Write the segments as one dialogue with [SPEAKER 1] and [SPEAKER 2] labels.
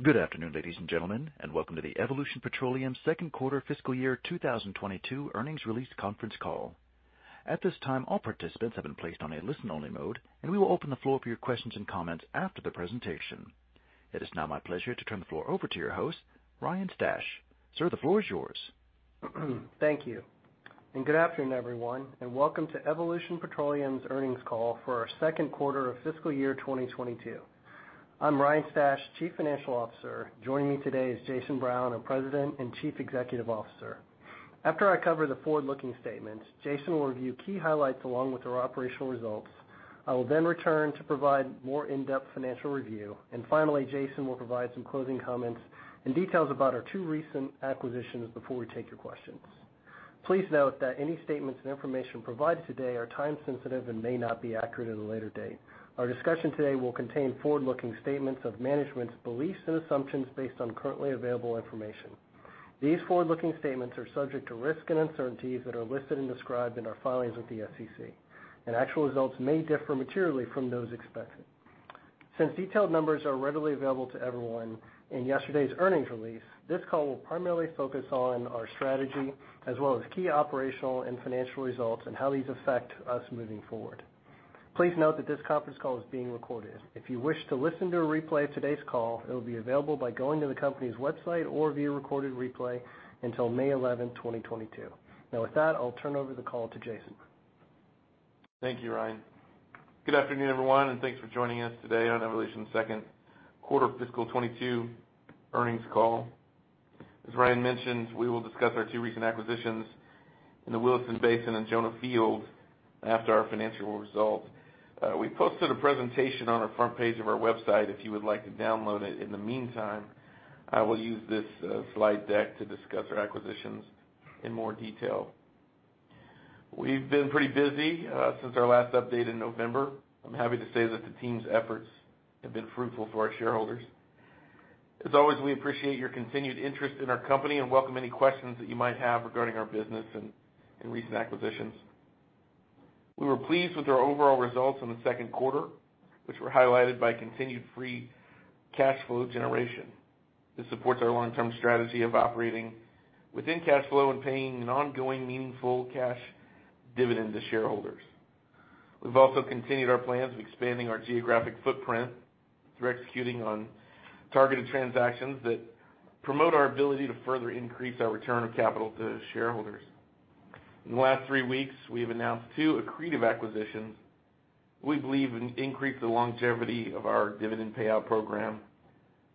[SPEAKER 1] Good afternoon, ladies and gentlemen, and welcome to the Evolution Petroleum second quarter fiscal year 2022 earnings release conference call. At this time, all participants have been placed on a listen-only mode, and we will open the floor for your questions and comments after the presentation. It is now my pleasure to turn the floor over to your host, Ryan Stash. Sir, the floor is yours.
[SPEAKER 2] Thank you. Good afternoon, everyone, and welcome to Evolution Petroleum's earnings call for our second quarter of fiscal year 2022. I'm Ryan Stash, Chief Financial Officer. Joining me today is Jason Brown, our President and Chief Executive Officer. After I cover the forward-looking statements, Jason will review key highlights along with our operational results. I will then return to provide more in-depth financial review. Finally, Jason will provide some closing comments and details about our two recent acquisitions before we take your questions. Please note that any statements and information provided today are time-sensitive and may not be accurate at a later date. Our discussion today will contain forward-looking statements of management's beliefs and assumptions based on currently available information. These forward-looking statements are subject to risks and uncertainties that are listed and described in our filings with the SEC, and actual results may differ materially from those expected. Since detailed numbers are readily available to everyone in yesterday's earnings release, this call will primarily focus on our strategy as well as key operational and financial results and how these affect us moving forward. Please note that this conference call is being recorded. If you wish to listen to a replay of today's call, it will be available by going to the company's website or via recorded replay until May 11, 2022. Now, with that, I'll turn over the call to Jason.
[SPEAKER 3] Thank you, Ryan. Good afternoon, everyone, and thanks for joining us today on Evolution's second quarter fiscal 2022 earnings call. As Ryan mentioned, we will discuss our two recent acquisitions in the Williston Basin and Jonah Field after our financial results. We posted a presentation on our front page of our website if you would like to download it in the meantime. I will use this slide deck to discuss our acquisitions in more detail. We've been pretty busy since our last update in November. I'm happy to say that the team's efforts have been fruitful for our shareholders. As always, we appreciate your continued interest in our company and recent acquisitions. We were pleased with our overall results in the second quarter, which were highlighted by continued free cash flow generation. This supports our long-term strategy of operating within cash flow and paying an ongoing, meaningful cash dividend to shareholders. We've also continued our plans of expanding our geographic footprint through executing on targeted transactions that promote our ability to further increase our return of capital to shareholders. In the last three weeks, we have announced two accretive acquisitions we believe will increase the longevity of our dividend payout program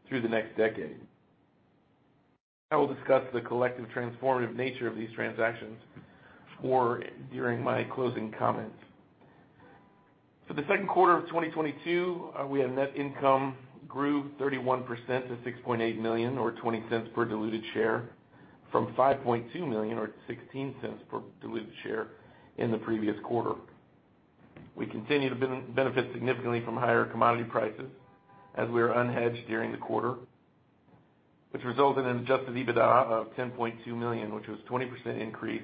[SPEAKER 3] through the next decade. I will discuss the collective transformative nature of these transactions more during my closing comments. For the second quarter of 2022, we had net income grew 31% to $6.8 million or $0.20 per diluted share from $5.2 million or $0.16 per diluted share in the previous quarter. We continue to benefit significantly from higher commodity prices as we are unhedged during the quarter, which resulted in adjusted EBITDA of $10.2 million, which was 20% increase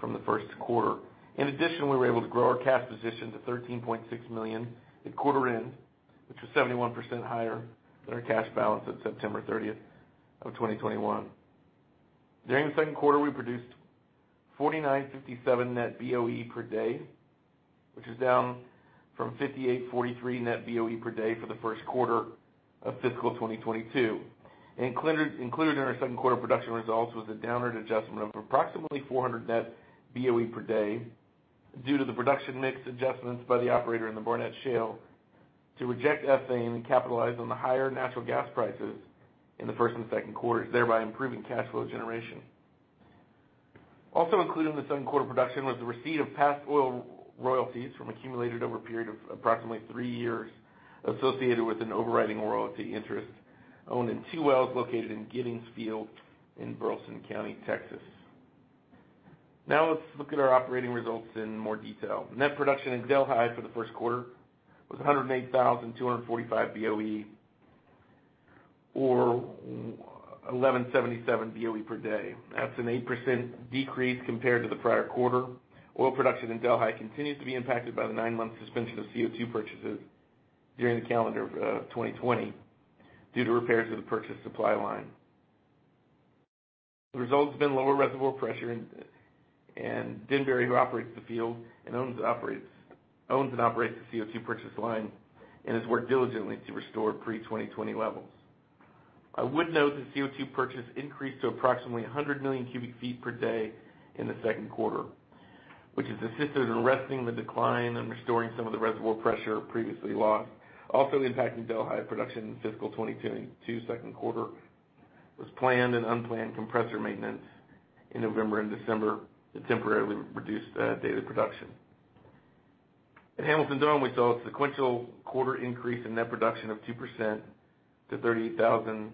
[SPEAKER 3] from the first quarter. In addition, we were able to grow our cash position to $13.6 million at quarter end, which was 71% higher than our cash balance at September 30, 2021. During the second quarter, we produced 4,957 net BOE per day, which is down from 5,843 net BOE per day for the first quarter of fiscal 2022. Included in our second quarter production results was a downward adjustment of approximately 400 net BOE per day due to the production mix adjustments by the operator in the Barnett Shale to reject ethane and capitalize on the higher natural gas prices in the first and second quarters, thereby improving cash flow generation. Also included in the second quarter production was the receipt of past oil royalties from accumulated over a period of approximately three years associated with an overriding royalty interest owned in 2 wells located in Giddings Field in Burleson County, Texas. Now let's look at our operating results in more detail. Net production in Delhi for the first quarter was 108,245 BOE or 1,177 BOE per day. That's an 8% decrease compared to the prior quarter. Oil production in Delhi continues to be impacted by the nine-month suspension of CO2 purchases during the calendar year 2020 due to repairs of the purchase supply line. The result has been lower reservoir pressure and Denbury, who operates the field and owns and operates the CO2 purchase line and has worked diligently to restore pre-2020 levels. I would note that CO2 purchase increased to approximately 100 million cubic feet per day in the second quarter, which has assisted in arresting the decline and restoring some of the reservoir pressure previously lost. Also impacting Delhi production in fiscal 2022 second quarter was planned and unplanned compressor maintenance in November and December that temporarily reduced daily production. At Hamilton Dome, we saw a sequential quarter increase in net production of 2% to 38,021 barrels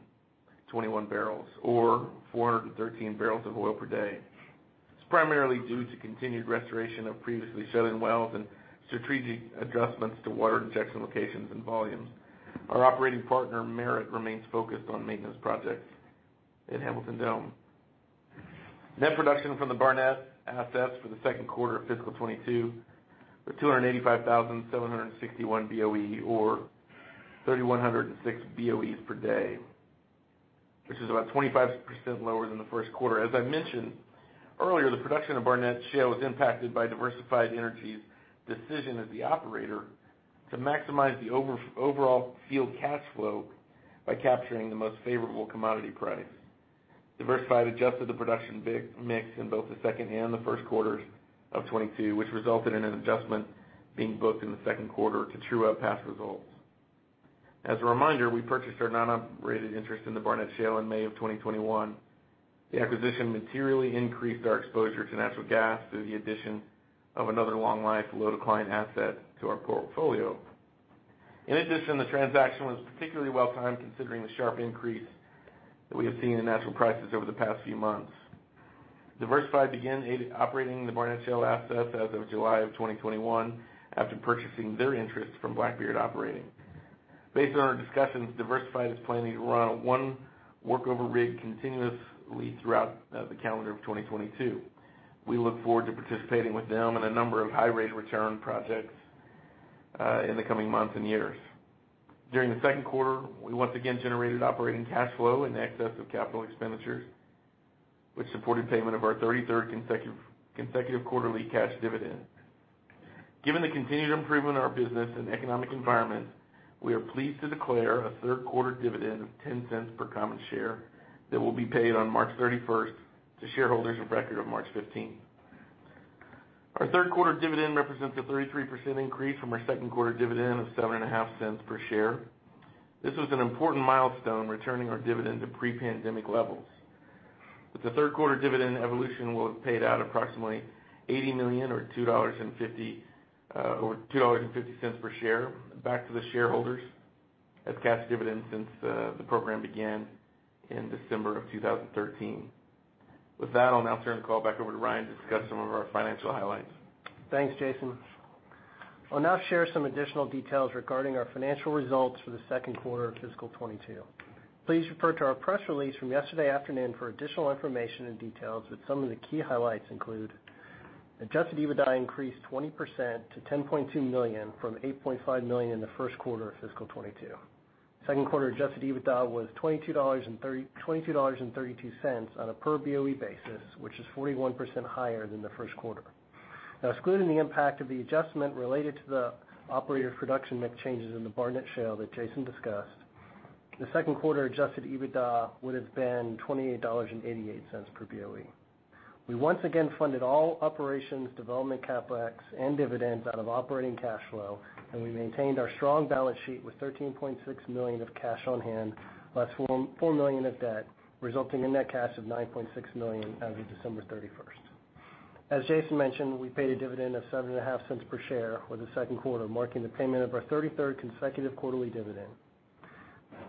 [SPEAKER 3] or 413 barrels of oil per day. It's primarily due to continued restoration of previously shut-in wells and strategic adjustments to water injection locations and volumes. Our operating partner, Merit, remains focused on maintenance projects in Hamilton Dome. Net production from the Barnett assets for the second quarter of fiscal 2022 were 285,761 BOE or 3,106 BOEs per day, which is about 25% lower than the first quarter. As I mentioned earlier, the production of Barnett Shale was impacted by Diversified Energy's decision as the operator to maximize the overall field cash flow by capturing the most favorable commodity price. Diversified adjusted the production Btu mix in both the second and the first quarters of 2022, which resulted in an adjustment being booked in the second quarter to true up past results. As a reminder, we purchased our non-operated interest in the Barnett Shale in May 2021. The acquisition materially increased our exposure to natural gas through the addition of another long-life low-decline asset to our portfolio. In addition, the transaction was particularly well-timed considering the sharp increase that we have seen in natural gas prices over the past few months. Diversified began operating the Barnett Shale assets as of July 2021 after purchasing their interests from Blackbeard Operating. Based on our discussions, Diversified is planning to run one workover rig continuously throughout the calendar of 2022. We look forward to participating with them in a number of high-rate return projects in the coming months and years. During the second quarter, we once again generated operating cash flow in excess of CapEx, which supported payment of our 33rd consecutive quarterly cash dividend. Given the continued improvement in our business and economic environment, we are pleased to declare a third quarter dividend of $0.10 per common share that will be paid on March 31 to shareholders of record on March 15. Our third quarter dividend represents a 33% increase from our second quarter dividend of $0.075 per share. This was an important milestone, returning our dividend to pre-pandemic levels. With the third quarter dividend, Evolution, we'll have paid out approximately $80 million or $2.50 per share back to the shareholders as cash dividends since the program began in December 2013. With that, I'll now turn the call back over to Ryan to discuss some of our financial highlights.
[SPEAKER 2] Thanks, Jason. I'll now share some additional details regarding our financial results for the second quarter of fiscal 2022. Please refer to our press release from yesterday afternoon for additional information and details, but some of the key highlights include, adjusted EBITDA increased 20% to $10.2 million from $8.5 million in the first quarter of fiscal 2022. Second quarter adjusted EBITDA was $22.32 on a per BOE basis, which is 41% higher than the first quarter. Excluding the impact of the adjustment related to the operator production mix changes in the Barnett Shale that Jason discussed, the second quarter adjusted EBITDA would have been $28.88 per BOE. We once again funded all operations, development CapEx, and dividends out of operating cash flow, and we maintained our strong balance sheet with $13.6 million of cash on hand, plus $4 million of debt, resulting in net cash of $9.6 million as of December 31. As Jason mentioned, we paid a dividend of seven and a half cents per share for the second quarter, marking the payment of our 33rd consecutive quarterly dividend.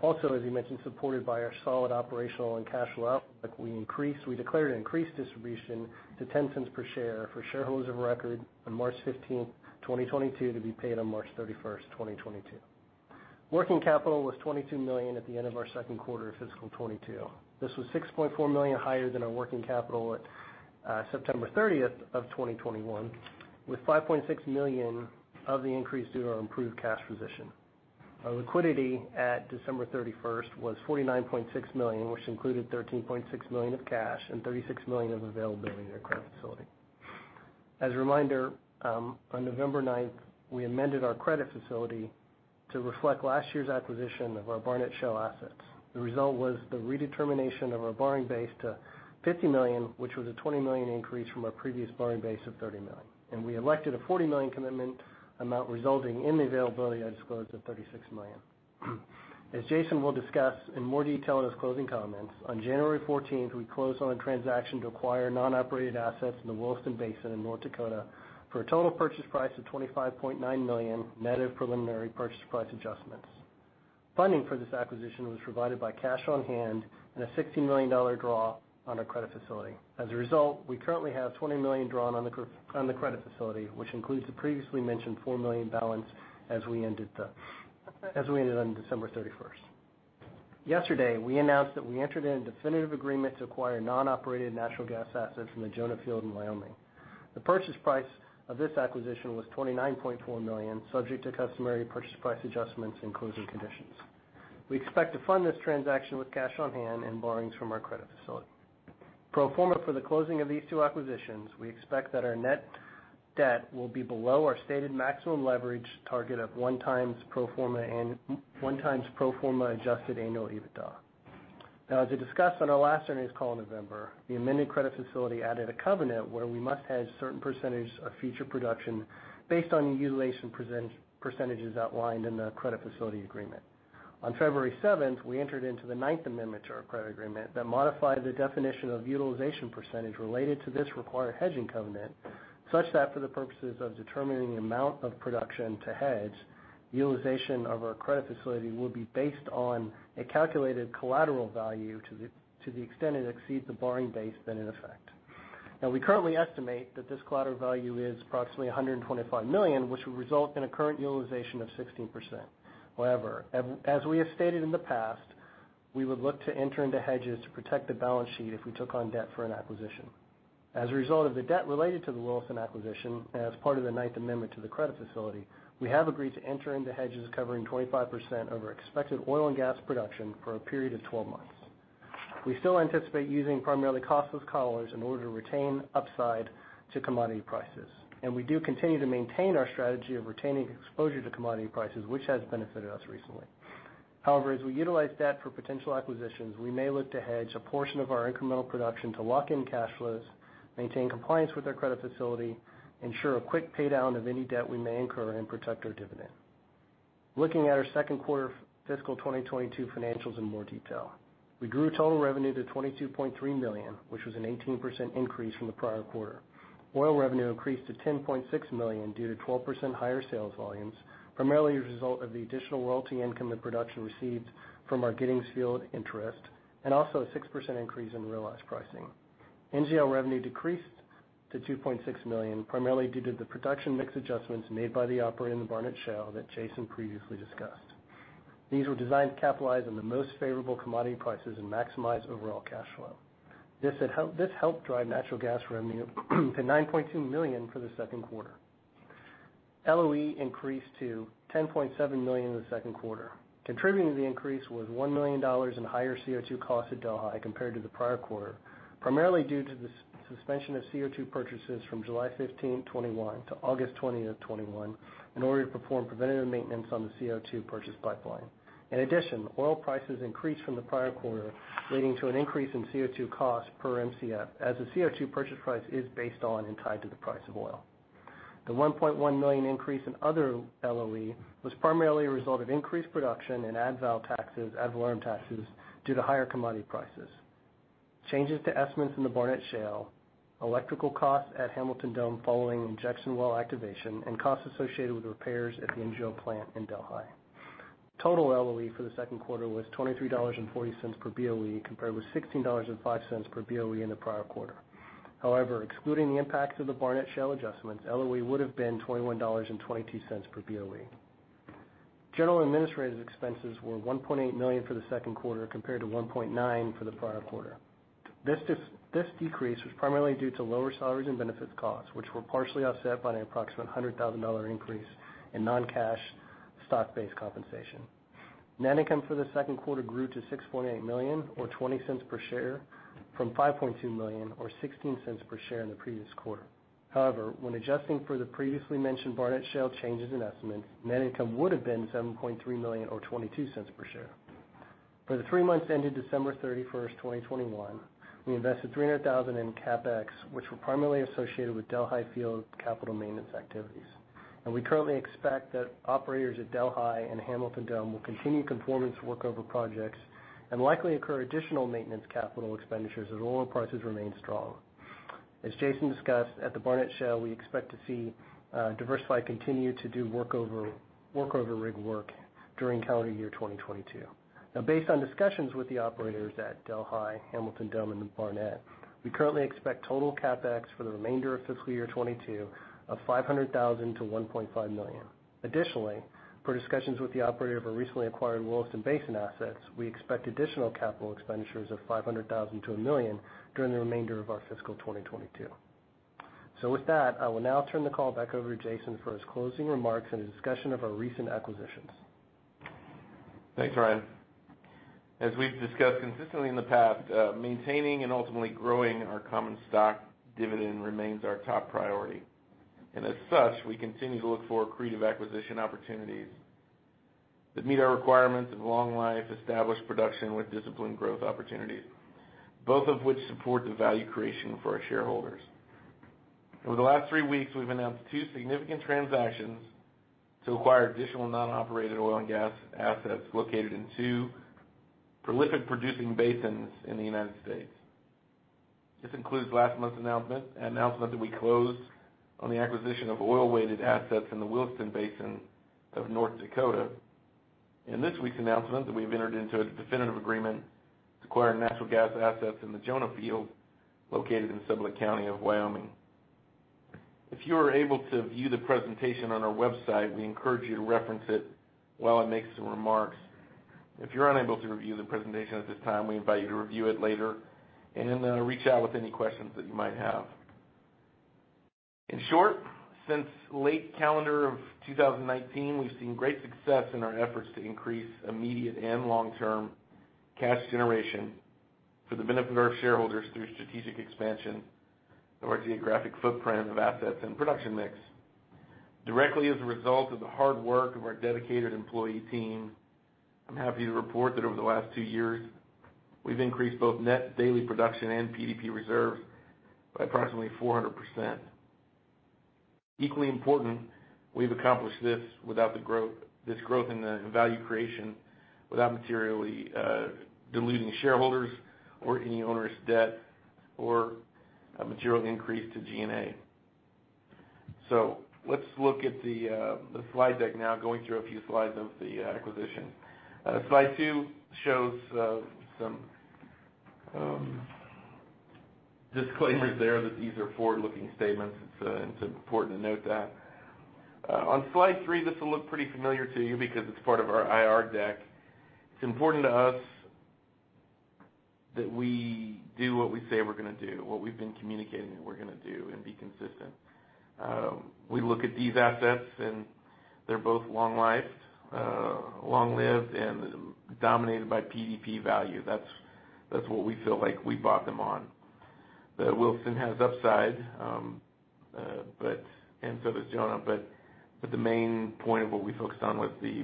[SPEAKER 2] Also, as he mentioned, supported by our solid operational and cash flow output, we declared an increased distribution to ten cents per share for shareholders of record on March 15, 2022 to be paid on March 31, 2022. Working capital was $22 million at the end of our second quarter of fiscal 2022. This was $6.4 million higher than our working capital at September 30, 2021, with $5.6 million of the increase due to our improved cash position. Our liquidity at December 31 was $49.6 million, which included $13.6 million of cash and $36 million of availability in our credit facility. As a reminder, on November 9, we amended our credit facility to reflect last year's acquisition of our Barnett Shale assets. The result was the redetermination of our borrowing base to $50 million, which was a $20 million increase from our previous borrowing base of $30 million. We elected a $40 million commitment amount resulting in the availability I disclosed of $36 million. As Jason will discuss in more detail in his closing comments, on January 14, we closed on a transaction to acquire non-operated assets in the Williston Basin in North Dakota for a total purchase price of $25.9 million net of preliminary purchase price adjustments. Funding for this acquisition was provided by cash on-hand and a $60 million draw on our credit facility. As a result, we currently have $20 million drawn on the credit facility, which includes the previously mentioned $4 million balance as we ended on December 31. Yesterday, we announced that we entered into a definitive agreement to acquire non-operated natural gas assets from the Jonah Field in Wyoming. The purchase price of this acquisition was $29.4 million, subject to customary purchase price adjustments and closing conditions. We expect to fund this transaction with cash on-hand and borrowings from our credit facility. Pro forma for the closing of these two acquisitions, we expect that our net debt will be below our stated maximum leverage target of 1x pro forma adjusted annual EBITDA. Now, as we discussed on our last earnings call in November, the amended credit facility added a covenant where we must hedge certain percentage of future production based on the utilization percentages outlined in the credit facility agreement. On February 7, we entered into the ninth amendment to our credit agreement that modified the definition of utilization percentage related to this required hedging covenant, such that for the purposes of determining the amount of production to hedge, utilization of our credit facility will be based on a calculated collateral value to the extent it exceeds the borrowing base then in effect. We currently estimate that this collateral value is approximately $125 million, which will result in a current utilization of 16%. However, as we have stated in the past, we would look to enter into hedges to protect the balance sheet if we took on debt for an acquisition. As a result of the debt related to the Williston acquisition, as part of the ninth amendment to the credit facility, we have agreed to enter into hedges covering 25% over expected oil and gas production for a period of 12 months. We still anticipate using primarily costless collars in order to retain upside to commodity prices, and we do continue to maintain our strategy of retaining exposure to commodity prices, which has benefited us recently. However, as we utilize debt for potential acquisitions, we may look to hedge a portion of our incremental production to lock in cash flows, maintain compliance with our credit facility, ensure a quick pay-down of any debt we may incur, and protect our dividend. Looking at our second quarter fiscal 2022 financials in more detail. We grew total revenue to $22.3 million, which was an 18% increase from the prior quarter. Oil revenue increased to $10.6 million due to 12% higher sales volumes, primarily a result of the additional royalty income that production received from our Giddings Field interest, and also a 6% increase in realized pricing. NGL revenue decreased to $2.6 million, primarily due to the production mix adjustments made by the operator in the Barnett Shale that Jason previously discussed. These were designed to capitalize on the most favorable commodity prices and maximize overall cash flow. This helped drive natural gas revenue to $9.2 million for the second quarter. LOE increased to $10.7 million in the second quarter. Contributing to the increase was $1 million in higher CO2 costs at Delhi compared to the prior quarter, primarily due to the suspension of CO2 purchases from July 15, 2021 to August 20, 2021 in order to perform preventative maintenance on the CO2 purchase pipeline. In addition, oil prices increased from the prior quarter, leading to an increase in CO2 costs per Mcf as the CO2 purchase price is based on and tied to the price of oil. The $1.1 million increase in other LOE was primarily a result of increased production and ad valorem taxes due to higher commodity prices, changes to estimates in the Barnett Shale, electrical costs at Hamilton Dome following injection well activation, and costs associated with repairs at the NGL plant in Delhi. Total LOE for the second quarter was $23.40 per BOE, compared with $16.05 per BOE in the prior quarter. However, excluding the impacts of the Barnett Shale adjustments, LOE would have been $21.22 per BOE. General and administrative expenses were $1.8 million for the second quarter, compared to $1.9 million for the prior quarter. This decrease was primarily due to lower salaries and benefits costs, which were partially offset by an approximate $100,000 increase in non-cash stock-based compensation. Net income for the second quarter grew to $6.8 million, or $0.20 per share, from $5.2 million or $0.16 per share in the previous quarter. However, when adjusting for the previously mentioned Barnett Shale changes in estimate, net income would have been $7.3 million or $0.22 per share. For the three months ending December 31, 2021, we invested $300,000 in CapEx, which were primarily associated with Delhi Field capital maintenance activities. We currently expect that operators at Delhi and Hamilton Dome will continue conformance workover projects and likely incur additional maintenance capital expenditures as oil prices remain strong. As Jason discussed, at the Barnett Shale, we expect to see Diversified continue to do workover rig work during calendar year 2022. Now based on discussions with the operators at Delhi, Hamilton Dome and Barnett, we currently expect total CapEx for the remainder of fiscal year 2022 of $500,000-$1.5 million. Additionally, per discussions with the operator of our recently acquired Williston Basin assets, we expect additional capital expenditures of $500,000-$1 million during the remainder of our fiscal 2022. With that, I will now turn the call back over to Jason for his closing remarks and a discussion of our recent acquisitions.
[SPEAKER 3] Thanks, Ryan. As we've discussed consistently in the past, maintaining and ultimately growing our common stock dividend remains our top priority. As such, we continue to look for accretive acquisition opportunities that meet our requirements of long life, established production with disciplined growth opportunities, both of which support the value creation for our shareholders. Over the last three weeks, we've announced two significant transactions to acquire additional non-operated oil and gas assets located in two prolific producing basins in the United States. This includes last month's announcement, an announcement that we closed on the acquisition of oil-weighted assets in the Williston Basin of North Dakota, and this week's announcement that we've entered into a definitive agreement to acquire natural gas assets in the Jonah Field, located in Sublette County of Wyoming. If you are able to view the presentation on our website, we encourage you to reference it while I make some remarks. If you're unable to review the presentation at this time, we invite you to review it later and reach out with any questions that you might have. In short, since late 2019, we've seen great success in our efforts to increase immediate and long-term cash generation for the benefit of our shareholders through strategic expansion of our geographic footprint of assets and production mix. Directly as a result of the hard work of our dedicated employee team, I'm happy to report that over the last two years, we've increased both net daily production and PDP reserves by approximately 400%. Equally important, we've accomplished this without this growth in the value creation without materially diluting shareholders or any onerous debt or a material increase to G&A. Let's look at the slide deck now, going through a few slides of the acquisition. Slide two shows some disclaimers there that these are forward-looking statements. It's important to note that. On slide three, this will look pretty familiar to you because it's part of our IR deck. It's important to us that we do what we say we're gonna do, what we've been communicating that we're gonna do and be consistent. We look at these assets and they're both long lived and dominated by PDP value. That's what we feel like we bought them on. The Williston has upside, and so does Jonah. The main point of what we focused on was the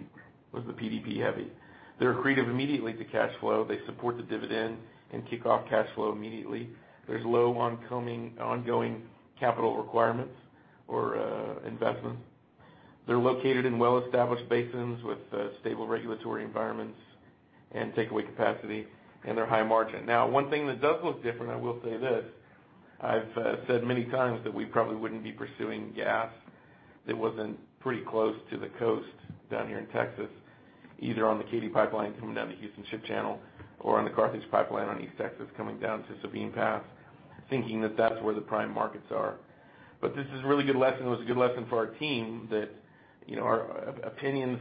[SPEAKER 3] PDP heavy. They're accretive immediately to cash flow. They support the dividend and kick off cash flow immediately. There's low ongoing capital requirements or investment. They're located in well-established basins with stable regulatory environments and takeaway capacity, and they're high margin. Now, one thing that does look different, I will say this, I've said many times that we probably wouldn't be pursuing gas that wasn't pretty close to the coast down here in Texas, either on the Katy pipeline coming down the Houston Ship Channel or on the Carthage pipeline on East Texas coming down to Sabine Pass, thinking that that's where the prime markets are. This is a really good lesson. It was a good lesson for our team that, you know, our opinions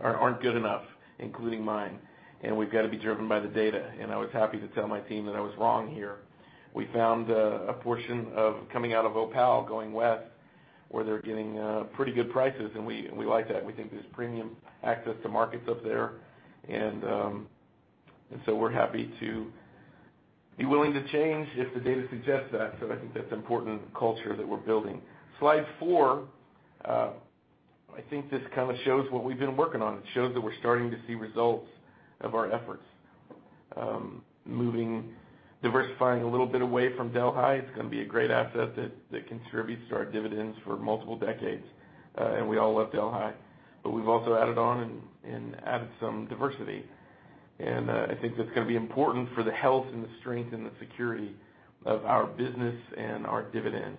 [SPEAKER 3] aren't good enough, including mine, and we've got to be driven by the data. I was happy to tell my team that I was wrong here. We found a portion of coming out of Opal going west, where they're getting pretty good prices, and we like that. We think there's premium access to markets up there. We're happy to be willing to change if the data suggests that. I think that's an important culture that we're building. Slide four, I think this kind of shows what we've been working on. It shows that we're starting to see results of our efforts, moving, diversifying a little bit away from Delhi. It's gonna be a great asset that contributes to our dividends for multiple decades. We all love Delhi. We've also added on and added some diversity. I think that's gonna be important for the health and the strength and the security of our business and our dividend.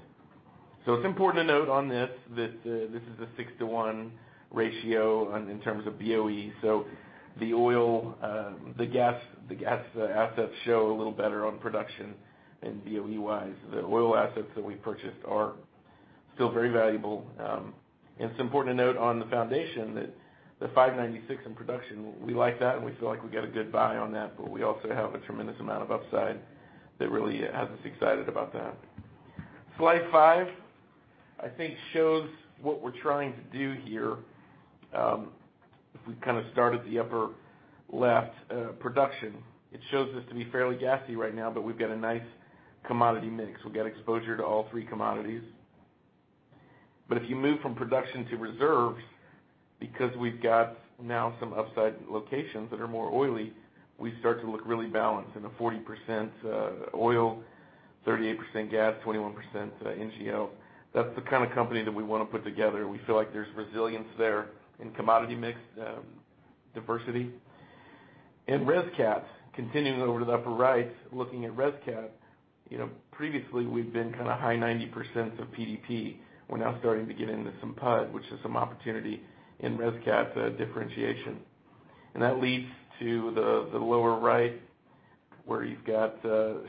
[SPEAKER 3] It's important to note on this that this is a 6-to-1 ratio on, in terms of BOE. The oil, the gas assets show a little better on production and BOE-wise. The oil assets that we purchased are still very valuable. It's important to note on the foundation that the 596 in production, we like that, and we feel like we got a good buy on that, but we also have a tremendous amount of upside that really has us excited about that. Slide five, I think, shows what we're trying to do here. If we kind of start at the upper left, production. It shows us to be fairly gassy right now, but we've got a nice commodity mix. We've got exposure to all three commodities. If you move from production to reserves, because we've got now some upside locations that are more oily, we start to look really balanced in the 40% oil, 38% gas, 21% NGL. That's the kind of company that we wanna put together. We feel like there's resilience there in commodity mix, diversity. In ResCat, continuing over to the upper right, looking at ResCat, you know, previously we've been kind of high 90% of PDP. We're now starting to get into some PUD, which is some opportunity in ResCat, differentiation. That leads to the lower right where you've got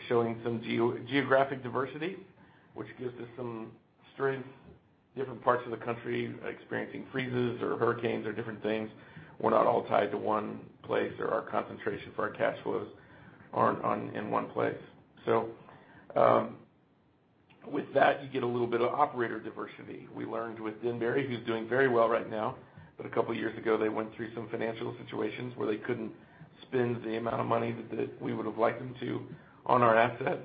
[SPEAKER 3] showing some geographic diversity, which gives us some strength. Different parts of the country experiencing freezes or hurricanes or different things. We're not all tied to one place, or our concentration for our cash flows aren't in one place. With that, you get a little bit of operator diversity. We learned with Denbury, who's doing very well right now, but a couple years ago, they went through some financial situations where they couldn't spend the amount of money that we would've liked them to on our asset.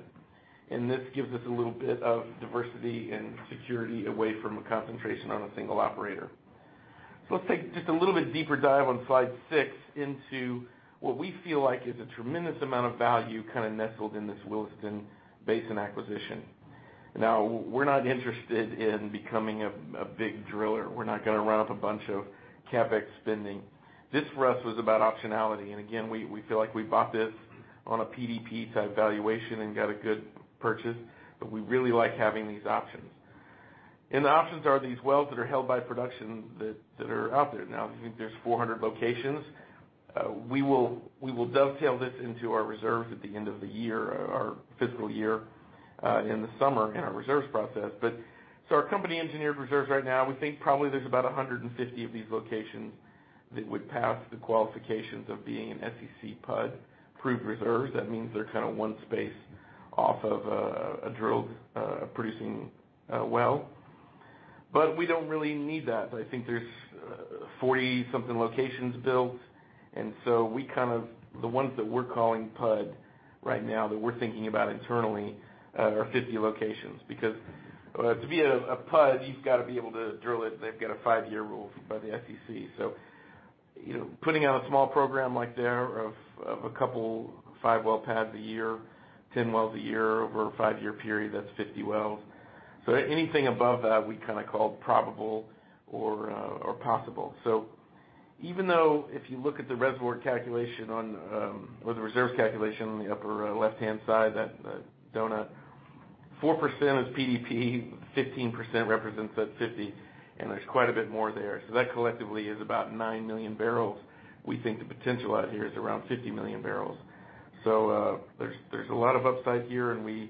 [SPEAKER 3] This gives us a little bit of diversity and security away from a concentration on a single operator. Let's take just a little bit deeper dive on slide 6 into what we feel like is a tremendous amount of value kind of nestled in this Williston Basin acquisition. Now, we're not interested in becoming a big driller. We're not gonna run up a bunch of CapEx spending. This, for us, was about optionality. Again, we feel like we bought this on a PDP-type valuation and got a good purchase, but we really like having these options. The options are these wells that are held by production that are out there now. I think there's 400 locations. We will dovetail this into our reserves at the end of the year, our fiscal year, in the summer in our reserves process. Our company engineered reserves right now. We think probably there's about 150 of these locations that would pass the qualifications of being an SEC PUD, proved reserves. That means they're kind of one space off of a drilled, a producing well. We don't really need that. I think there's 40-something locations built. The ones that we're calling PUD right now, that we're thinking about internally, are 50 locations. Because to be a PUD, you've got to be able to drill it. They've got a five-year rule by the SEC. You know, putting out a small program like there of a couple five-well pads a year, 10 wells a year over a five-year period, that's 50 wells. Anything above that, we kind of call probable or possible. Even though if you look at the reservoir calculation on, or the reserves calculation on the upper left-hand side, that donut, 4% is PDP, 15% represents that 50, and there's quite a bit more there. That collectively is about 9 million barrels. We think the potential out here is around 50 million barrels. There's a lot of upside here, and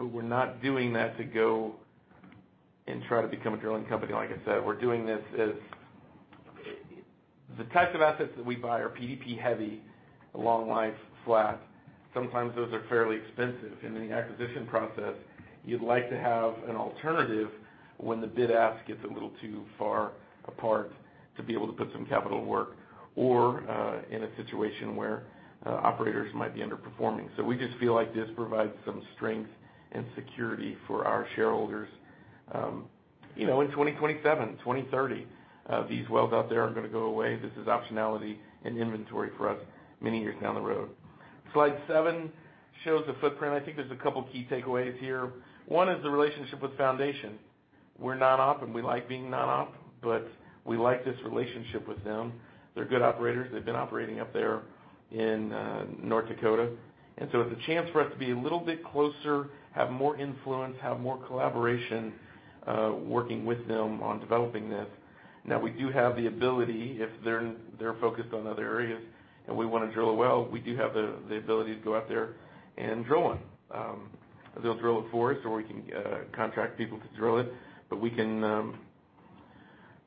[SPEAKER 3] we're not doing that to go and try to become a drilling company. Like I said, we're doing this. The types of assets that we buy are PDP-heavy, long life, flat. Sometimes those are fairly expensive. In the acquisition process, you'd like to have an alternative when the bid ask gets a little too far apart to be able to put some capital to work, or in a situation where operators might be underperforming. We just feel like this provides some strength and security for our shareholders, you know, in 2027, 2030. These wells out there aren't gonna go away. This is optionality and inventory for us many years down the road. Slide 7 shows the footprint. I think there's a couple key takeaways here. One is the relationship with Foundation. We're non-op, and we like being non-op, but we like this relationship with them. They're good operators. They've been operating up there in North Dakota. It's a chance for us to be a little bit closer, have more influence, have more collaboration working with them on developing this. Now, we do have the ability, if they're focused on other areas and we wanna drill a well, we do have the ability to go out there and drill one. They'll drill it for us, or we can contract people to drill it. We can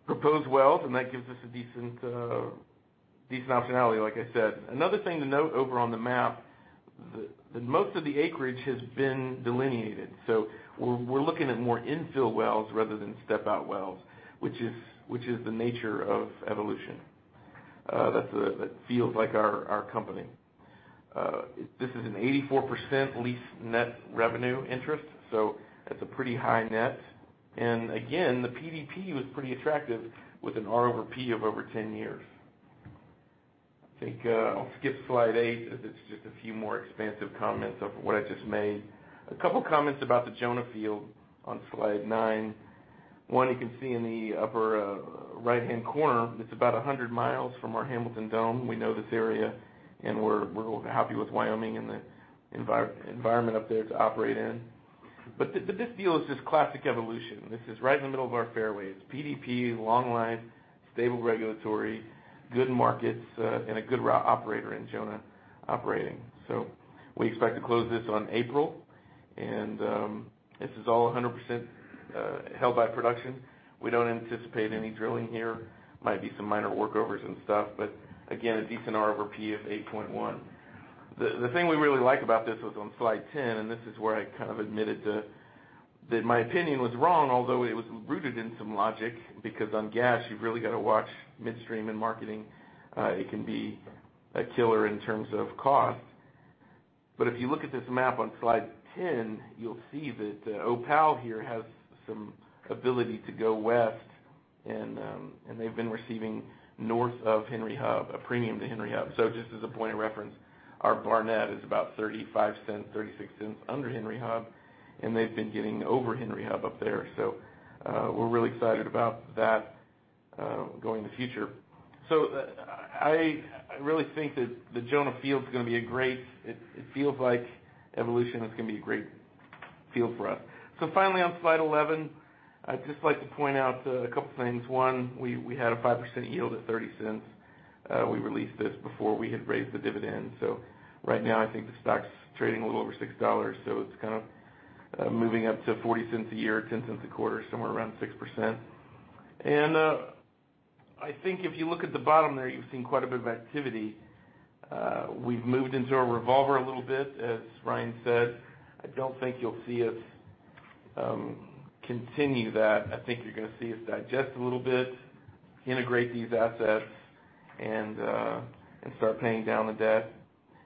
[SPEAKER 3] propose wells, and that gives us a decent optionality, like I said. Another thing to note over on the map, that most of the acreage has been delineated. So we're looking at more infill wells rather than step-out wells, which is the nature of Evolution. That feels like our company. This is an 84% lease net revenue interest, so that's a pretty high net. Again, the PDP was pretty attractive with an R/P of over 10 years. I think I'll skip slide eight, as it's just a few more expansive comments of what I just made. A couple comments about the Jonah Field on slide nine. One, you can see in the upper right-hand corner, it's about 100 miles from our Hamilton Dome. We know this area, and we're happy with Wyoming and the environment up there to operate in. This deal is just classic Evolution. This is right in the middle of our fairway. It's PDP, long life, stable regulatory, good markets, and a good operator in Jonah Energy. We expect to close this on April. This is all 100% held by production. We don't anticipate any drilling here. Might be some minor workovers and stuff, but again, a decent R/P of 8.1. The thing we really like about this was on slide 10, and this is where I kind of admitted to. that my opinion was wrong, although it was rooted in some logic, because on gas, you've really gotta watch midstream and marketing. It can be a killer in terms of cost. If you look at this map on slide 10, you'll see that OPAL here has some ability to go west, and they've been receiving north of Henry Hub, a premium to Henry Hub. Just as a point of reference, our Barnett is about $0.35, $0.36 cents under Henry Hub, and they've been getting over Henry Hub up there. We're really excited about that, going in the future. I really think that the Jonah Field is gonna be a great. It feels like Evolution is gonna be a great field for us. Finally, on slide 11, I'd just like to point out a couple things. We had a 5% yield at $0.30. We released this before we had raised the dividend. Right now I think the stock's trading a little over $6, so it's kind of moving up to $0.40 a year, $0.10 a quarter, somewhere around 6%. I think if you look at the bottom there, you've seen quite a bit of activity. We've moved into our revolver a little bit, as Ryan said. I don't think you'll see us continue that. I think you're gonna see us digest a little bit, integrate these assets and start paying down the debt.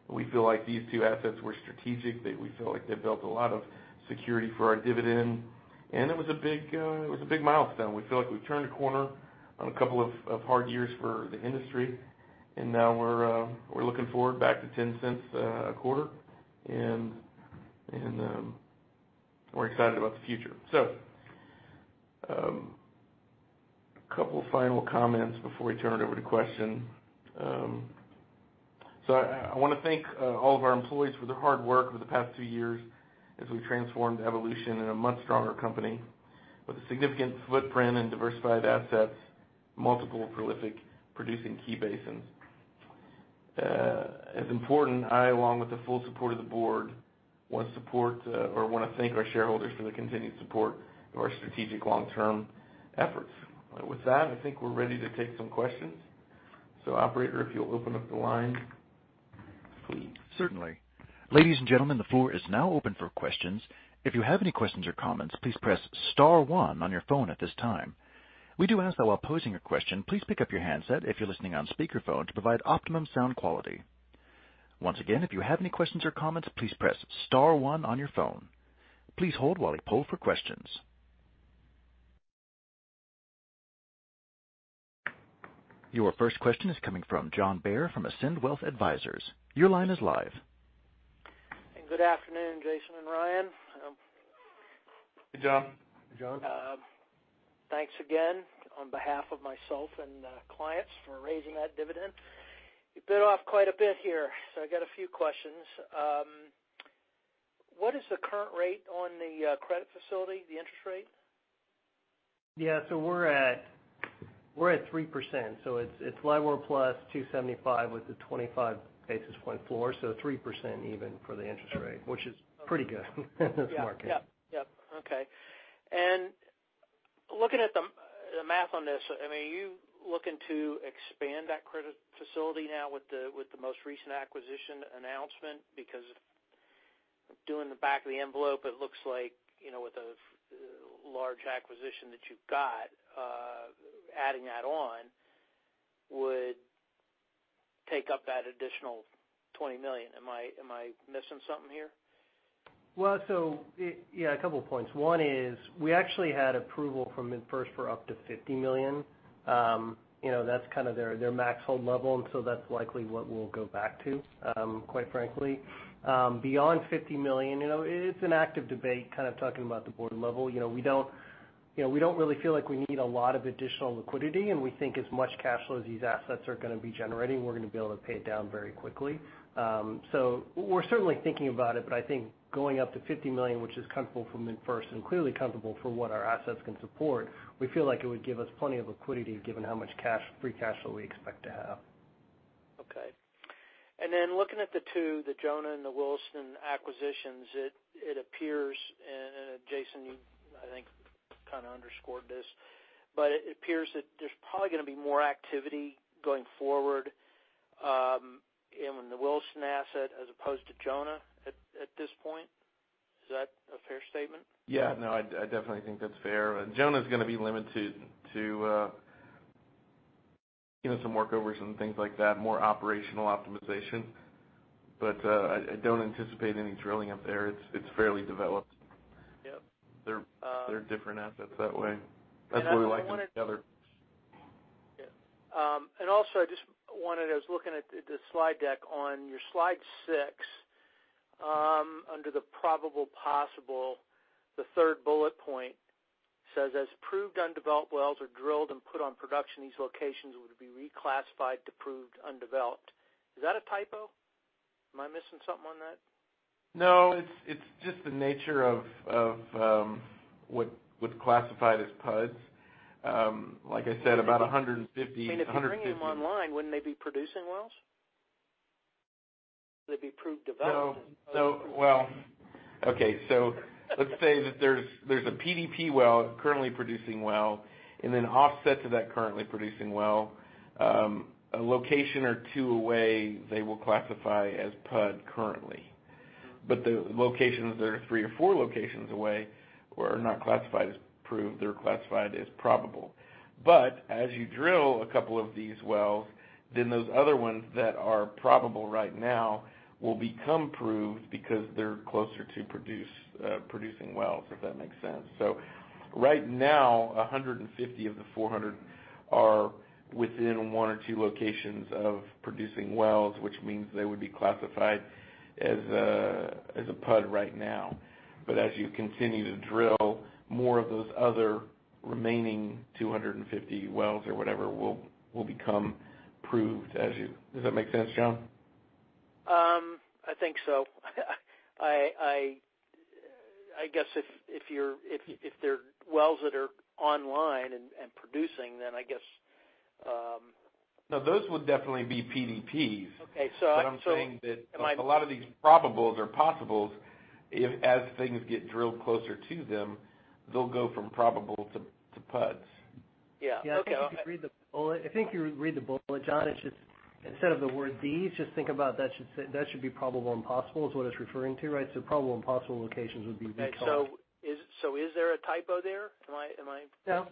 [SPEAKER 3] We feel like these two assets were strategic. We feel like they built a lot of security for our dividend. It was a big milestone. We feel like we've turned a corner on a couple of hard years for the industry, and now we're looking forward back to $0.10 a quarter and we're excited about the future. A couple final comments before we turn it over to questions. I wanna thank all of our employees for their hard work over the past two years as we transformed Evolution into a much stronger company with a significant footprint and diversified assets, multiple prolific producing key basins. As important, I, along with the full support of the board, want to thank our shareholders for their continued support of our strategic long-term efforts. With that, I think we're ready to take some questions. Operator, if you'll open up the line, please.
[SPEAKER 1] Certainly. Ladies and gentlemen, the floor is now open for questions. If you have any questions or comments, please press star one on your phone at this time. We do ask that while posing your question, please pick up your handset if you're listening on speakerphone to provide optimum sound quality. Once again, if you have any questions or comments, please press star one on your phone. Please hold while we poll for questions. Your first question is coming from John Bair from Ascend Wealth Advisors. Your line is live.
[SPEAKER 4] Good afternoon, Jason and Ryan.
[SPEAKER 3] Good job.
[SPEAKER 2] Good job.
[SPEAKER 4] Thanks again on behalf of myself and clients for raising that dividend. You bit off quite a bit here, so I got a few questions. What is the current rate on the credit facility, the interest rate?
[SPEAKER 2] Yeah. We're at 3%, it's LIBOR plus 275 with the 25 basis point floor, 3% even for the interest rate, which is pretty good in this market.
[SPEAKER 4] Yeah. Yep. Yep. Okay. Looking at the math on this, I mean, are you looking to expand that credit facility now with the most recent acquisition announcement? Because doing the back of the envelope, it looks like, you know, with the large acquisition that you've got, adding that on would take up that additional $20 million. Am I missing something here?
[SPEAKER 2] Well, a couple points. One is we actually had approval from MidFirst for up to $50 million. You know, that's kinda their max hold level, and that's likely what we'll go back to, quite frankly. Beyond $50 million, you know, it's an active debate kind of talking about the board level. You know, we don't really feel like we need a lot of additional liquidity, and we think as much cash flow as these assets are gonna be generating, we're gonna be able to pay it down very quickly. We're certainly thinking about it, but I think going up to $50 million, which is comfortable for MidFirst and clearly comfortable for what our assets can support, we feel like it would give us plenty of liquidity given how much free cash flow we expect to have.
[SPEAKER 4] Okay. Then looking at the two, the Jonah and the Williston acquisitions, it appears, Jason, you I think kinda underscored this, but it appears that there's probably gonna be more activity going forward, in the Williston asset as opposed to Jonah at this point. Is that a fair statement?
[SPEAKER 3] Yeah. No, I definitely think that's fair. Jonah's gonna be limited to you know, some workovers and things like that, more operational optimization. I don't anticipate any drilling up there. It's fairly developed.
[SPEAKER 4] Yep.
[SPEAKER 3] They're different assets that way. That's why we like them together.
[SPEAKER 4] I was looking at the slide deck. On your slide six, under the probable possible, the third bullet point says, "As proved undeveloped wells are drilled and put on production, these locations would be reclassified to proved undeveloped." Is that a typo? Am I missing something on that?
[SPEAKER 3] No, it's just the nature of what's classified as PUDs. Like I said, about 150-
[SPEAKER 4] I mean, if you bring them online, wouldn't they be producing wells? They'd be proved developed.
[SPEAKER 3] No, no. Well, okay. Let's say that there's a PDP well, currently producing well, and then offset to that currently producing well, a location or two away, they will classify as PUD currently. The locations that are three or four locations away were not classified as proved. They're classified as probable. As you drill a couple of these wells, then those other ones that are probable right now will become proved because they're closer to producing wells, if that makes sense. Right now, 150 of the 400 are within one or two locations of producing wells, which means they would be classified as a PUD right now. As you continue to drill, more of those other remaining 250 wells or whatever will become proved as you do. Does that make sense, John?
[SPEAKER 4] I think so. I guess if they're wells that are online and producing, then I guess.
[SPEAKER 3] No, those would definitely be PDPs.
[SPEAKER 4] Okay. Am I?
[SPEAKER 3] I'm saying that a lot of these probables or possibles if, as things get drilled closer to them, they'll go from probable to PUDs.
[SPEAKER 4] Yeah. Okay.
[SPEAKER 2] Yeah. I think you read the bullet, John. It's just instead of the word these, just think about that. Probable and possible is what it's referring to, right? Probable and possible locations would be reclassified.
[SPEAKER 4] Is there a typo there?
[SPEAKER 2] No.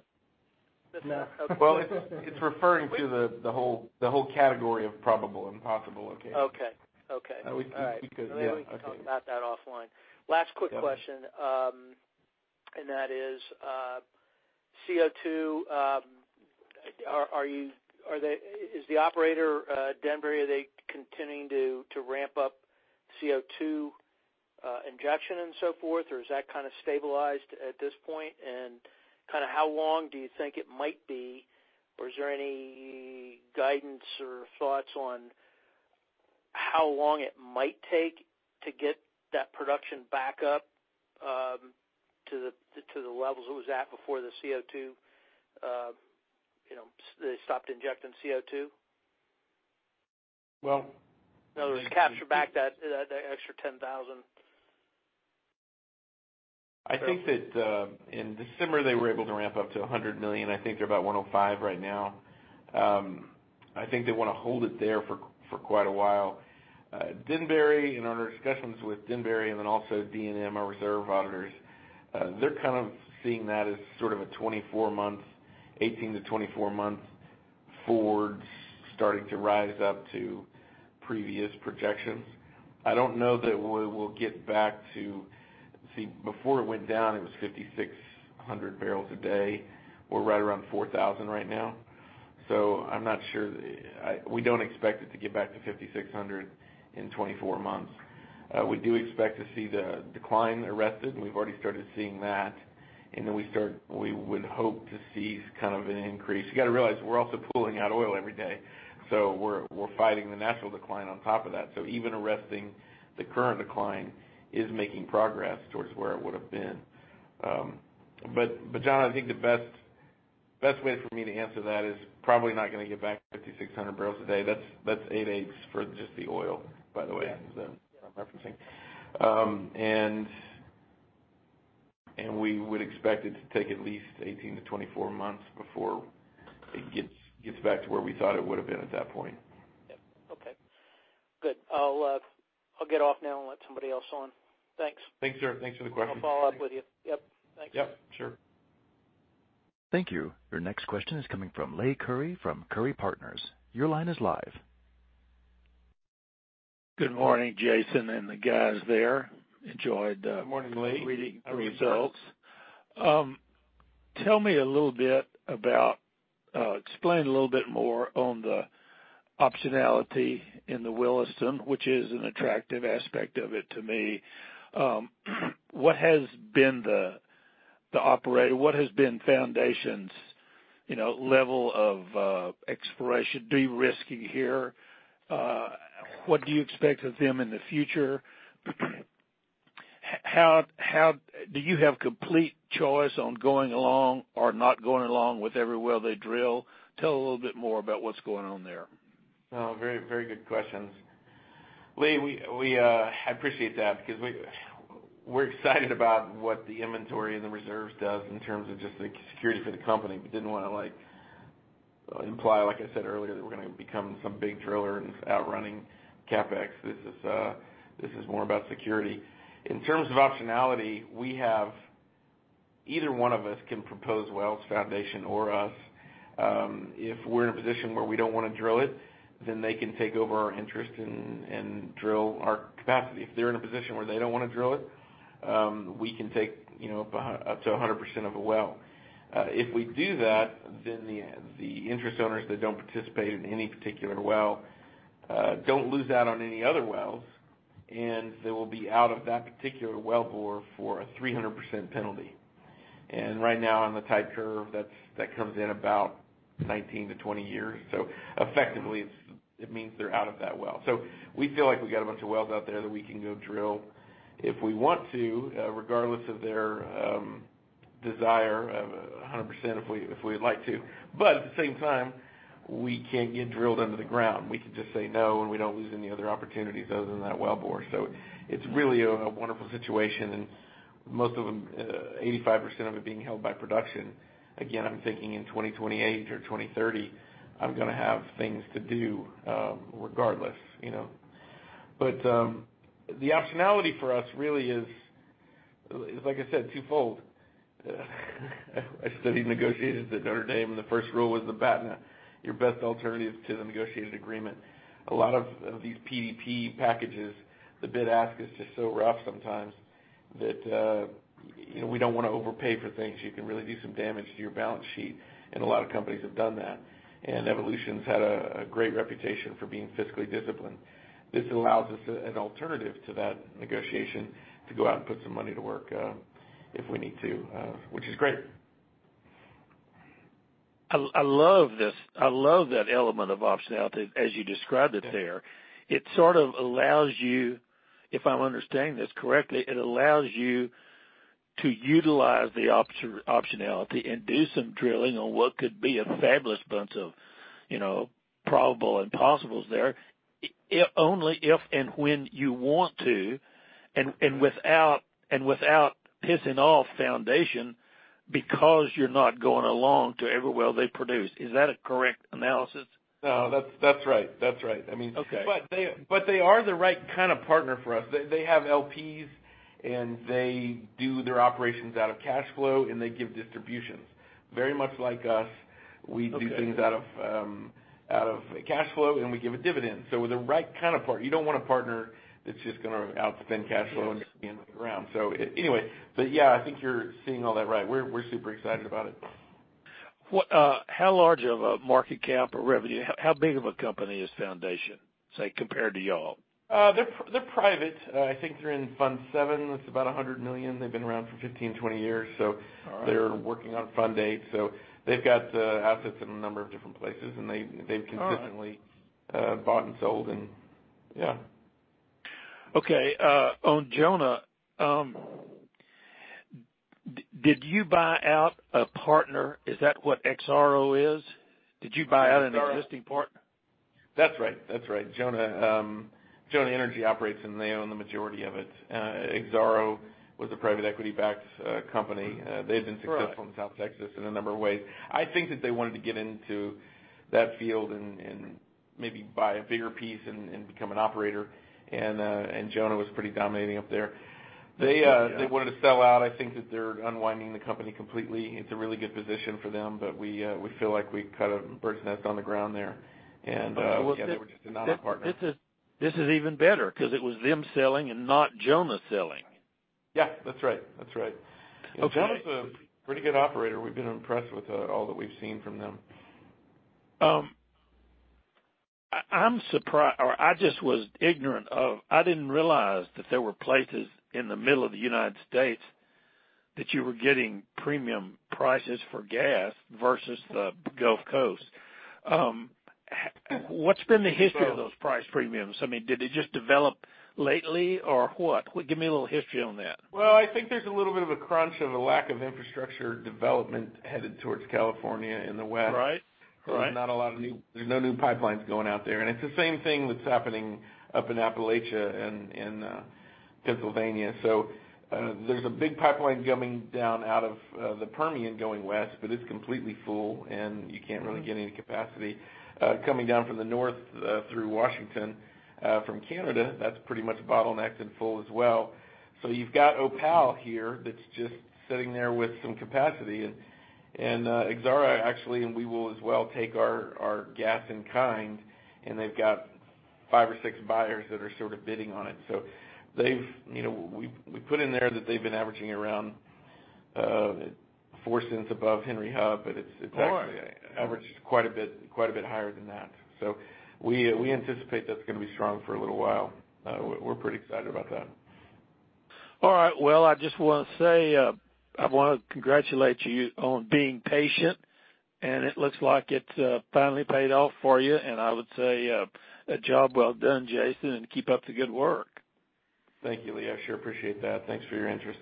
[SPEAKER 4] Okay.
[SPEAKER 3] Well, it's referring to the whole category of probable and possible locations.
[SPEAKER 4] Okay. Okay.
[SPEAKER 3] We could
[SPEAKER 4] All right. Maybe we can talk about that offline. Last quick question. That is, CO2. Is the operator, Denbury, continuing to ramp up CO2 injection and so forth, or is that kinda stabilized at this point? Kinda how long do you think it might be or is there any guidance or thoughts on how long it might take to get that production back up to the levels it was at before the CO2 they stopped injecting CO2?
[SPEAKER 3] Well-
[SPEAKER 4] In other words, capture back that extra 10,000.
[SPEAKER 3] I think that in December, they were able to ramp up to 100 million. I think they're about 105 right now. I think they wanna hold it there for quite a while. Denbury, in our discussions with Denbury and then also D&M, our reserve auditors, they're kind of seeing that as sort of a 24-month, 18- to 24-month forward starting to rise up to previous projections. I don't know that we'll get back to. See, before it went down, it was 5,600 barrels a day. We're right around 4,000 right now. I'm not sure. We don't expect it to get back to 5,600 in 24 months. We do expect to see the decline arrested, and we've already started seeing that. We would hope to see kind of an increase. You got to realize we're also pulling out oil every day, so we're fighting the natural decline on top of that. Even arresting the current decline is making progress towards where it would have been. John, I think the best way for me to answer that is probably not gonna get back to 5,600 barrels a day. That's 8/8ths for just the oil, by the way, that I'm referencing. We would expect it to take at least 18-24 months before it gets back to where we thought it would have been at that point.
[SPEAKER 4] Yeah. Okay. Good. I'll get off now and let somebody else on. Thanks.
[SPEAKER 3] Thanks, sir. Thanks for the question.
[SPEAKER 4] I'll follow up with you. Yep. Thanks.
[SPEAKER 3] Yep, sure.
[SPEAKER 1] Thank you. Your next question is coming from Lee Curry from Curry Partners. Your line is live.
[SPEAKER 5] Good morning, Jason and the guys there. Enjoyed
[SPEAKER 3] Morning, Lee
[SPEAKER 5] Reading the results. Tell me a little bit about, explain a little bit more on the optionality in the Williston, which is an attractive aspect of it to me. What has been Foundation's, you know, level of exploration de-risking here? What do you expect of them in the future? Do you have complete choice on going along or not going along with every well they drill? Tell a little bit more about what's going on there.
[SPEAKER 3] Oh, very good questions. Lee, I appreciate that because we're excited about what the inventory and the reserves does in terms of just the security for the company, but didn't wanna, like, imply, like I said earlier, that we're gonna become some big driller and outspending CapEx. This is more about security. In terms of optionality, we have. Either one of us can propose wells, Foundation or us. If we're in a position where we don't wanna drill it, then they can take over our interest and drill our capacity. If they're in a position where they don't wanna drill it, we can take, you know, up to 100% of a well. If we do that, then the interest owners that don't participate in any particular well don't lose out on any other wells, and they will be out of that particular wellbore for a 300% penalty. Right now, on the type curve, that's that comes in about 19-20 years. Effectively, it's it means they're out of that well. We feel like we got a bunch of wells out there that we can go drill if we want to, regardless of their desire of 100% if we, if we'd like to. At the same time, we can't get drilled under the ground. We can just say no, and we don't lose any other opportunities other than that wellbore. It's really a wonderful situation. Most of them, 85% of it being held by production, again, I'm thinking in 2028 or 2030, I'm gonna have things to do, regardless, you know. The optionality for us really is, like I said, twofold. I studied negotiations at Notre Dame, and the first rule was the BATNA, your best alternative to the negotiated agreement. A lot of these PDP packages, the bid ask is just so rough sometimes that, you know, we don't wanna overpay for things. You can really do some damage to your balance sheet, and a lot of companies have done that. Evolution's had a great reputation for being fiscally disciplined. This allows us an alternative to that negotiation to go out and put some money to work, if we need to, which is great.
[SPEAKER 5] I love this. I love that element of optionality as you described it there.
[SPEAKER 3] Yeah.
[SPEAKER 5] It sort of allows you, if I'm understanding this correctly, it allows you to utilize the optionality and do some drilling on what could be a fabulous bunch of, you know, probable and possibles there, if only if and when you want to and without pissing off Foundation because you're not going along to every well they produce. Is that a correct analysis?
[SPEAKER 3] No. That's right. I mean.
[SPEAKER 5] Okay...
[SPEAKER 3] they are the right kind of partner for us. They have LPs, and they do their operations out of cash flow, and they give distributions. Very much like us.
[SPEAKER 5] Okay.
[SPEAKER 3] We do things out of cash flow, and we give a dividend. We're the right kind of partner. You don't want a partner that's just gonna outspend cash flow.
[SPEAKER 5] Yes
[SPEAKER 3] be in the ground. Anyway, but yeah, I think you're seeing all that right. We're super excited about it.
[SPEAKER 5] What, how large of a market cap or revenue? How big of a company is Foundation, say, compared to y'all?
[SPEAKER 3] They're private. I think they're in fund seven. It's about $100 million. They've been around for 15, 20 years.
[SPEAKER 5] All right....
[SPEAKER 3] they're working on fund 8. They've got assets in a number of different places, and they-
[SPEAKER 5] All right....
[SPEAKER 3] they've consistently bought and sold and, yeah.
[SPEAKER 5] Okay. On Jonah, did you buy out a partner? Is that what XTO is? Did you buy out an existing partner?
[SPEAKER 3] That's right. Jonah Energy operates, and they own the majority of it. XTO was a private equity-backed company. They had been successful.
[SPEAKER 5] Right
[SPEAKER 3] In South Texas in a number of ways. I think that they wanted to get into that field and maybe buy a bigger piece and become an operator. Jonah was pretty dominating up there. They wanted to sell out. I think that they're unwinding the company completely. It's a really good position for them, but we feel like we've kind of got a bird's nest on the ground there. Yeah, they were just a partner.
[SPEAKER 5] This is even better 'cause it was them selling and not Jonah selling.
[SPEAKER 3] Yeah, that's right.
[SPEAKER 5] Okay.
[SPEAKER 3] John is a pretty good operator. We've been impressed with all that we've seen from them.
[SPEAKER 5] I'm surprised or I just was ignorant. I didn't realize that there were places in the middle of the United States that you were getting premium prices for gas versus the Gulf Coast. What's been the history of those price premiums? I mean, did it just develop lately or what? Give me a little history on that.
[SPEAKER 3] Well, I think there's a little bit of a crunch or a lack of infrastructure development headed towards California in the West.
[SPEAKER 5] Right. Right.
[SPEAKER 3] There's not a lot of new pipelines going out there. There's no new pipelines going out there. It's the same thing that's happening up in Appalachia and Pennsylvania. There's a big pipeline coming down out of the Permian going west, but it's completely full, and you can't really get any capacity. Coming down from the north through Washington from Canada, that's pretty much bottlenecked and full as well. You've got OPAL here that's just sitting there with some capacity. XRA actually, and we will as well, take our gas in kind, and they've got five or six buyers that are sort of bidding on it. They've been averaging around four cents above Henry Hub, but it's
[SPEAKER 5] Boy.
[SPEAKER 3] Actually averaged quite a bit higher than that. We anticipate that's gonna be strong for a little while. We're pretty excited about that.
[SPEAKER 5] All right. Well, I just wanna say, I wanna congratulate you on being patient, and it looks like it finally paid off for you. I would say a job well done, Jason, and keep up the good work.
[SPEAKER 3] Thank you, Lee. I sure appreciate that. Thanks for your interest.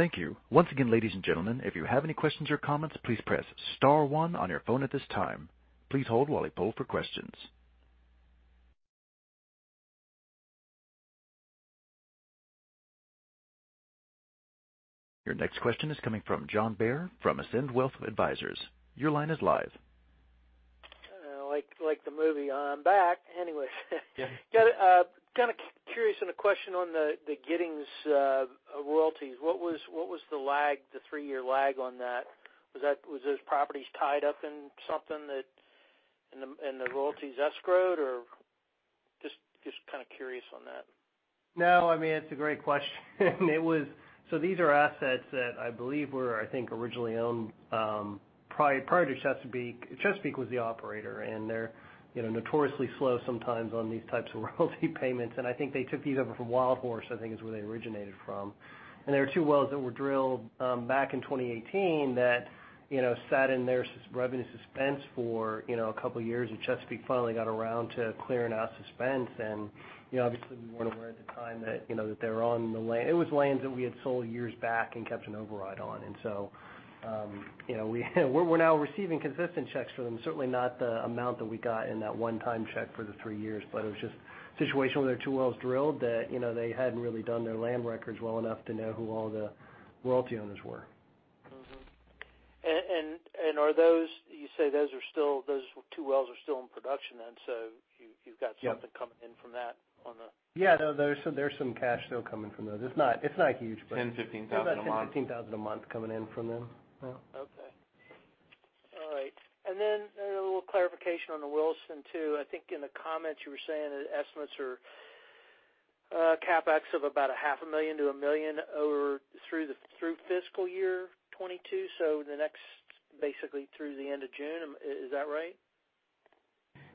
[SPEAKER 1] Thank you. Once again, ladies and gentlemen, if you have any questions or comments, please press star one on your phone at this time. Please hold while we poll for questions. Your next question is coming from John Bair from Ascend Wealth Advisors. Your line is live.
[SPEAKER 4] Like the movie, I'm back. Anyways,
[SPEAKER 3] Yeah.
[SPEAKER 4] I got kinda curious and a question on the Giddings royalties. What was the three-year lag on that? Was those properties tied up in something? In the royalties escrowed or just kinda curious on that.
[SPEAKER 2] No, I mean, it's a great question. It was. So these are assets that I believe were, I think, originally owned, prior to Chesapeake. Chesapeake was the operator, and they're, you know, notoriously slow sometimes on these types of royalty payments. I think they took these over from WildHorse, I think is where they originated from. There are two wells that were drilled, back in 2018 that, you know, sat in their revenue suspense for, you know, a couple years. Chesapeake finally got around to clearing out suspense. You know, obviously we weren't aware at the time that, you know, that they were on the lands that we had sold years back and kept an override on. You know, we're now receiving consistent checks for them, certainly not the amount that we got in that one-time check for the three years. It was just a situation where there were two wells drilled that, you know, they hadn't really done their land records well enough to know who all the royalty owners were.
[SPEAKER 4] Are those two wells still in production then, so you've got-
[SPEAKER 2] Yeah.
[SPEAKER 4] -something coming in from that on the-
[SPEAKER 2] Yeah. No, there's some cash still coming from those. It's not huge, but.
[SPEAKER 3] $10,000-15,000 a month.
[SPEAKER 2] About $10,000-15,000 a month coming in from them now.
[SPEAKER 4] Okay. All right. A little clarification on the Williston too. I think in the comments you were saying that estimates are CapEx of about $ 500,000 to $1 million through fiscal year 2022, so the next basically through the end of June. Is that right?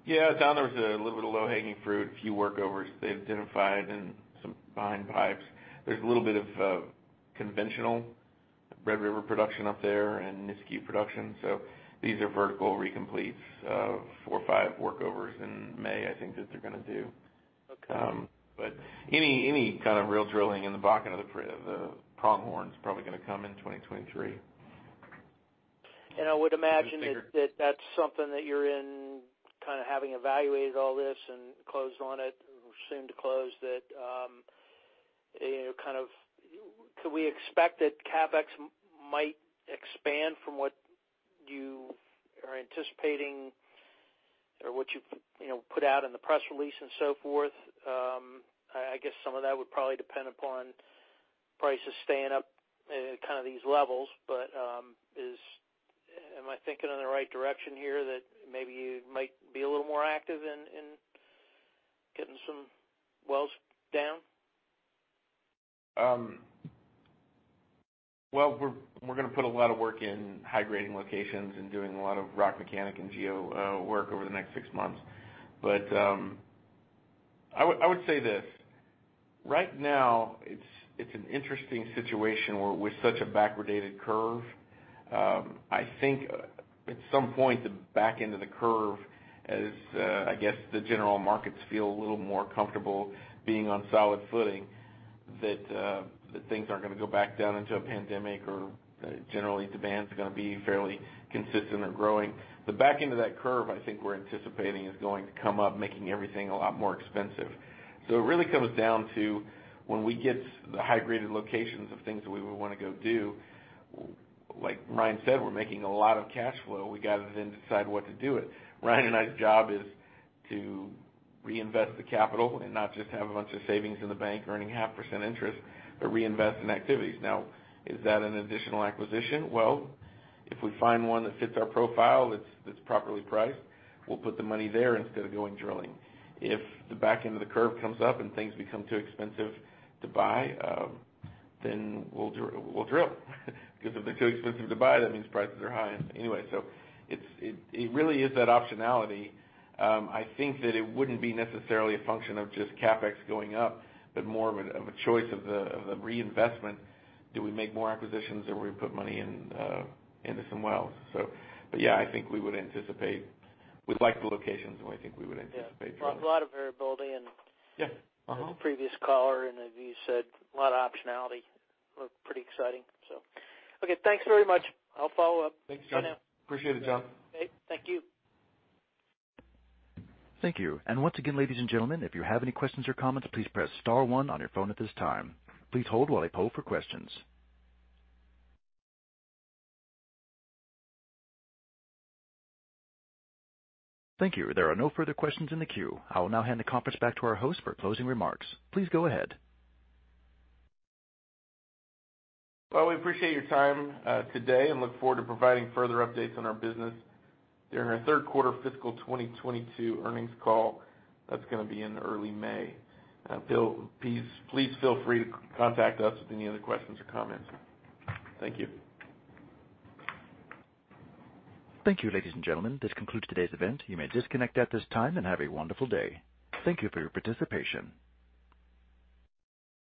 [SPEAKER 3] Yeah. Down there was a little bit of low-hanging fruit, a few workovers they identified and some behind-pipe zones. There's a little bit of conventional Red River production up there and Nisku production. These are vertical recompletes of four or five workovers in May, I think, that they're gonna do.
[SPEAKER 4] Okay.
[SPEAKER 3] Any kind of real drilling in the back of the Pronghorn is probably gonna come in 2023.
[SPEAKER 4] I would imagine that that's something that you're kind of having evaluated all this and closed on it or soon to close that, you know, kind of. Could we expect that CapEx might expand from what you are anticipating or what you've, you know, put out in the press release and so forth? I guess some of that would probably depend upon prices staying up at kind of these levels. But am I thinking in the right direction here that maybe you might be a little more active in getting some wells down?
[SPEAKER 3] Well, we're gonna put a lot of work in high-grading locations and doing a lot of rock mechanic and geo work over the next six months. I would say this. Right now it's an interesting situation where with such a backwardated curve, I think at some point the back end of the curve as I guess the general markets feel a little more comfortable being on solid footing, that things aren't gonna go back down into a pandemic or generally demand's gonna be fairly consistent or growing. The back end of that curve, I think we're anticipating, is going to come up, making everything a lot more expensive. It really comes down to when we get the high-graded locations of things that we would wanna go do, like Ryan said, we're making a lot of cash flow. We gotta then decide what to do with it. Ryan and I's job is to reinvest the capital and not just have a bunch of savings in the bank earning 0.5% interest, but reinvest in activities. Now, is that an additional acquisition? Well, if we find one that fits our profile that's properly priced, we'll put the money there instead of going drilling. If the back end of the curve comes up and things become too expensive to buy, then we'll drill. Because if they're too expensive to buy, that means prices are high anyway. It's really that optionality. I think that it wouldn't be necessarily a function of just CapEx going up, but more of a choice of the reinvestment. Do we make more acquisitions or we put money into some wells? I think we would anticipate. We like the locations and we think we would anticipate drilling.
[SPEAKER 4] Yeah. A lot of variability and.
[SPEAKER 3] Yeah. Uh-huh.
[SPEAKER 4] The previous caller, and as you said, a lot of optionality. It looks pretty exciting. Okay, thanks very much. I'll follow up.
[SPEAKER 3] Thanks, John.
[SPEAKER 4] Bye now.
[SPEAKER 3] Appreciate it, John.
[SPEAKER 4] Okay. Thank you.
[SPEAKER 1] Thank you. Once again, ladies and gentlemen, if you have any questions or comments, please press star one on your phone at this time. Please hold while I poll for questions. Thank you. There are no further questions in the queue. I will now hand the conference back to our host for closing remarks. Please go ahead.
[SPEAKER 3] Well, we appreciate your time today and look forward to providing further updates on our business during our third quarter fiscal 2022 earnings call. That's gonna be in early May. Please feel free to contact us with any other questions or comments. Thank you.
[SPEAKER 1] Thank you, ladies and gentlemen. This concludes today's event. You may disconnect at this time, and have a wonderful day. Thank you for your participation.